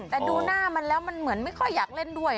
แต่ดูหน้ามันแล้วมันเหมือนไม่ค่อยอยากเล่นด้วย